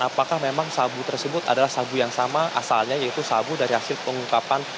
apakah memang sabu tersebut adalah sabu yang sama asalnya yaitu sabu dari hasil pengungkapan